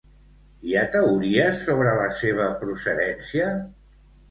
Hi ha teories sobre la seva procedència?